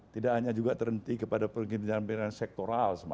tidak hanya juga terhenti kepada penginjalan penginjalan sektoral secara luas